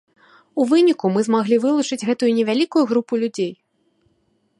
У выніку мы змаглі вылучыць гэтую невялікую групу людзей.